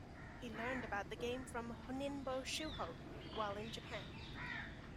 He learned about the game from Honinbo Shuho while in Japan.